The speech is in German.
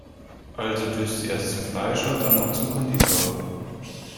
Also düst sie erst zum Fleischer und dann noch zum Konditor.